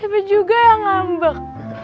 emang juga yang ngambek